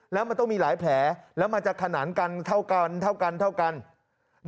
แล้วมันต้องมีหลายแผลแล้วมันจะขนานกันเท่ากัน